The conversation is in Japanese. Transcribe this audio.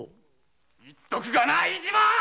言っとくがな飯島！